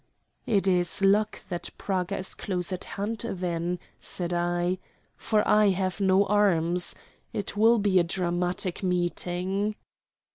"It is luck that Praga is close at hand, then," said I, "for I have no arms. It will be a dramatic meeting."